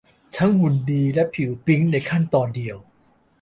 ทั้งหุ่นดีและผิวปิ๊งในขั้นตอนเดียว